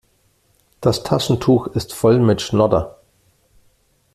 Das Taschentuch ist voll mit Schnodder.